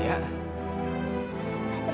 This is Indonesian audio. ya sama sama tal